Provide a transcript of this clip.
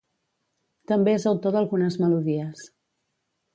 També és autor d'algunes melodies.